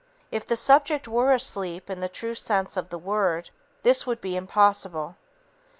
If the subject were asleep in the true sense of the word, this would be impossible.